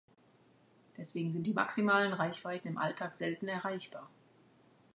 Deswegen sind die maximalen Reichweiten im Alltag selten erreichbar.